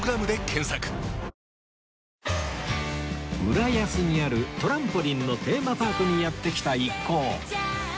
浦安にあるトランポリンのテーマパークにやって来た一行